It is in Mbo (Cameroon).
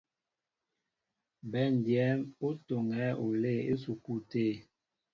Bɛndɛm ú tɔ́ŋɛ olɛ́ɛ́ ísukúlu tə̂.